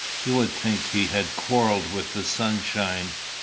You would think he had quarrelled with the sunshine."